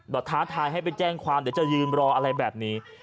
ท้าทายให้ไปแจ้งความเดี๋ยวจะยืนรออะไรแบบนี้